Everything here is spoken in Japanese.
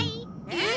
えっ？